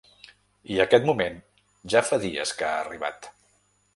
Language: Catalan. I aquest moment ja fa dies que ha arribat.